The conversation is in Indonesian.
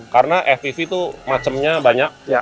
karena fpv tuh macemnya banyak